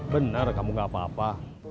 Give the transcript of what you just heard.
benar kamu gak apa apa